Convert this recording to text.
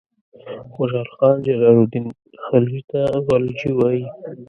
خوشحال خان جلال الدین خلجي ته غلجي وایي.